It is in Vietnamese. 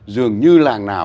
dường như làng nào